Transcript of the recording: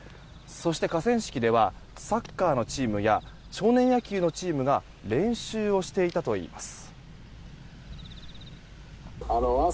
そして、河川敷ではサッカーのチームや少年野球のチームが練習をしていたといいます。